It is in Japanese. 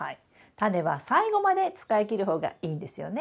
タネは最後まで使いきる方がいいんですよね？